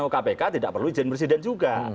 kpk tidak perlu izin presiden juga